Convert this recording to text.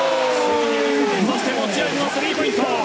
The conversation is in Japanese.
持ち味のスリーポイント。